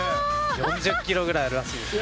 ４０キロぐらいあるらしいですよ。